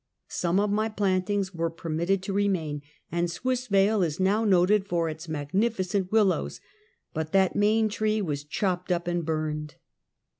Some of my plantings were permitted to remain, and Swissvale is now noted for its magnificent willows; but that main tree was chopped up and burned.